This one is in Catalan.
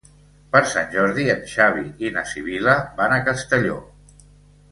Per Sant Jordi en Xavi i na Sibil·la van a Castelló.